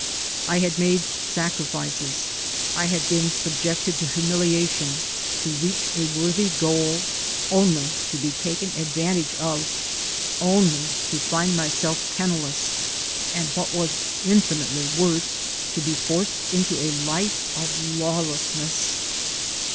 I had made sacrifices; I had been sub jected to humiliation, to reach a worthy goal, only to be taken advantage of, only to find myself penni less, and what was infinitely worse, to be forced into a life of lawlessness.